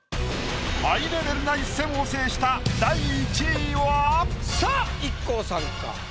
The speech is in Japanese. ハイレベルな一戦を制した第１位は⁉さあＩＫＫＯさんか？